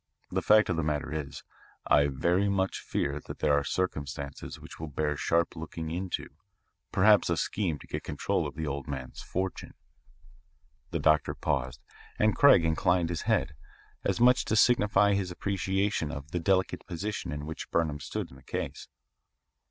The fact of the matter is, I very much fear that there are circumstances which will bear sharp looking into, perhaps a scheme to get control of the old man's fortune." The doctor paused, and Craig inclined his head, as much as to signify his appreciation of the delicate position in which Burnham stood in the case.